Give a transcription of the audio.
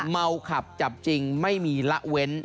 เมาขับจับจริงไม่มีละเว้น